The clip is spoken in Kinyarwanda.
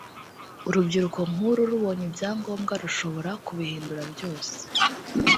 urubyiruko nk’uru rubonye ibyangombwa rushobora kubihindura byose